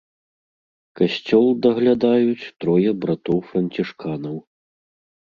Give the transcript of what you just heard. Касцёл даглядаюць трое братоў-францішканаў.